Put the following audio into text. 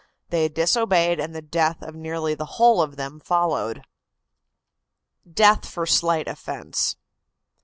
They disobeyed, and the death of nearly the whole of them followed. DEATH FOR SLIGHT OFFENSE.